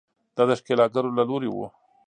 دا د ښکېلاکګرو له لوري وو.